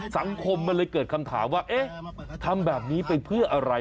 สังคมมันเลยเกิดคำถามว่าเอ๊ะทำแบบนี้ไปเพื่ออะไร